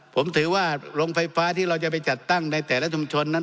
ผมถือว่าโรงไฟฟ้าที่เราจะไปจัดตั้งในแต่ละชุมชนนั้น